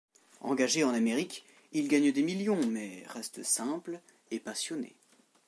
Engagé en Amérique, il gagne des millions, mais reste simple et passionné.